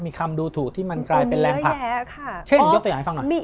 มีคำดูถูกที่มันกลายเป็นแรงผลักแพ้เช่นยกตัวอย่างให้ฟังหน่อย